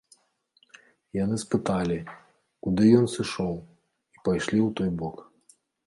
Яны спыталі, куды ён сышоў, і пайшлі ў той бок.